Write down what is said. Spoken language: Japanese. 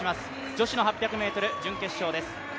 女子８００ｍ準決勝です。